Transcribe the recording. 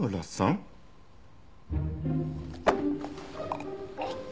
あっ！